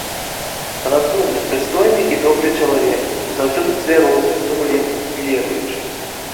Разумны, прыстойны і добры чалавек, заўсёды цвярозы, сумленны, веруючы.